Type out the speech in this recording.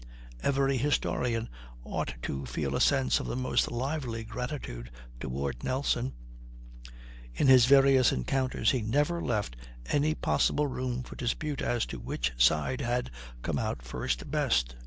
Every historian ought to feel a sense of the most lively gratitude toward Nelson; in his various encounters he never left any possible room for dispute as to which side had come out first best.